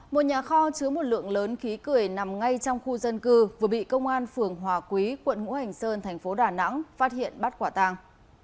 một nhà kho chứa một lượng lớn khí cười nằm ngay trong khu dân cư vừa bị công an phường hòa quý quận ngũ hành sơn thành phố đà nẵng phát hiện bắt quả tàng